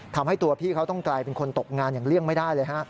ทำให้ตัวพี่เขาต้องกลายเป็นคนตกงานอย่างเลี่ยงไม่ได้เลยฮะ